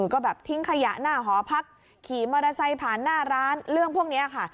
ก็แบบทิ้งขยะหน้าหอพักขี่มอเตอร์ไซค์ผ่านหน้าร้านเรื่องพวกนี้ค่ะ